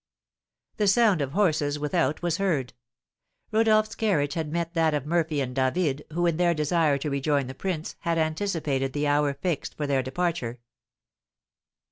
The sound of horses without was heard; Rodolph's carriage had met that of Murphy and David, who, in their desire to rejoin the prince, had anticipated the hour fixed for their departure.